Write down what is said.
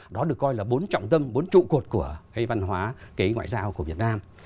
đó được coi là bốn trọng tâm bốn trụ cột của cái văn hóa cái ngoại giao của việt nam